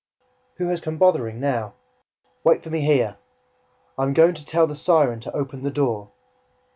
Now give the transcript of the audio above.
"Who has come bothering now? Wait for me here ... I AM GOING TO TELL THE SIREN TO OPEN THE DOOR."